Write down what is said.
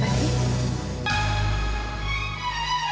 mas kenapa sih